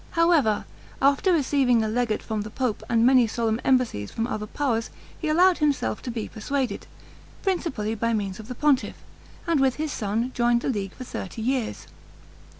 However, after receiving a legate from the pope, and many solemn embassies from other powers, he allowed himself to be persuaded, principally by means of the pontiff, and with his son joined the League for thirty years.